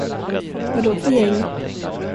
Vad då för gäng?